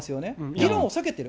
議論を避けてる。